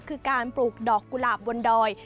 คือการปลูกดอกกุหลาบบนดอย